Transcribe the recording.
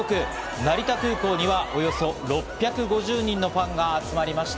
成田空港にはおよそ６５０人のファンが集まりました。